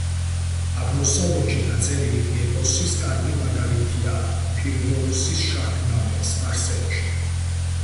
აღმოსავლეთში დაწერილი ეპოსის კარგი მაგალითია ფირდოუსის „შაჰნამე“, სპარსეთში.